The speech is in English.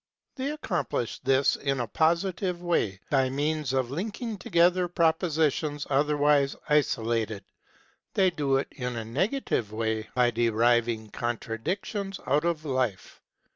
They accomplish this in a positive way by means of linking together Propositions otherwise isolated; they do it in a negative way by driving contradictions out of life.